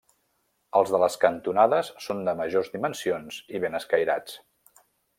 Els de les cantonades són de majors dimensions i ben escairats.